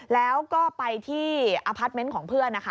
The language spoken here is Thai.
แล้วก็ไปที่อพาร์ทเมนต์ของเพื่อนนะคะ